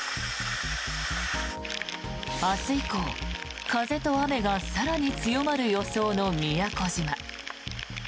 明日以降、風と雨が更に強まる予想の宮古島。